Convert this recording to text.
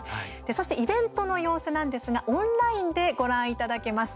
そしてイベントの様子なんですがオンラインでご覧いただけます。